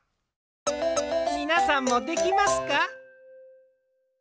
みなさんもできますか？